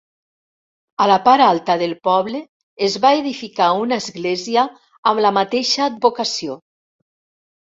A la part alta del poble es va edificar una església amb la mateixa advocació.